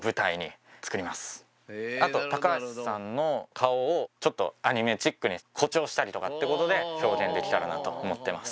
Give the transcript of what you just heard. あと高橋さんの顔をちょっとアニメチックに誇張したりとかってことで表現できたらなと思ってます。